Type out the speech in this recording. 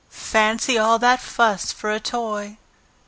"Fancy all that fuss for a toy!"